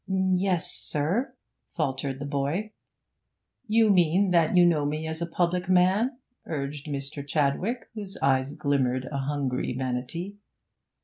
'Yes, sir,' faltered the boy. 'You mean that you know me as a public man?' urged Mr. Chadwick, whose eyes glimmered a hungry vanity.